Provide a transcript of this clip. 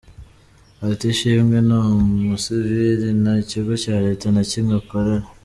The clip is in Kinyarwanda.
Ati “Ishimwe ni umusivili, nta kigo cya leta na kimwe akorera.